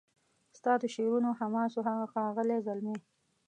ستا د شعرونو حماسو هغه ښاغلی زلمی